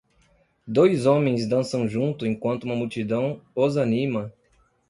Dois homens dançam juntos enquanto uma multidão os anima